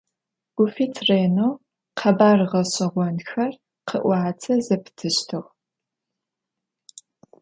Gufit rêneu khebar ğeş'eğonxer khı'uate zepıtıştığ.